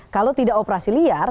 kalau tidak operasi liar